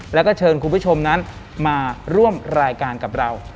แล้วก็เชิญคุณผู้ชมนั้นมาร่วมรายการกับเรา